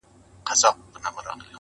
په ورځ کي سل ځلي ځارېدله ـ